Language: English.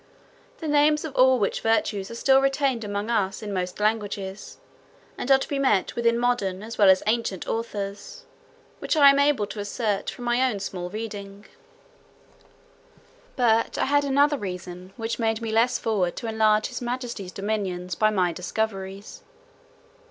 The names of all which virtues are still retained among us in most languages, and are to be met with in modern, as well as ancient authors; which I am able to assert from my own small reading. But I had another reason, which made me less forward to enlarge his majesty's dominions by my discoveries.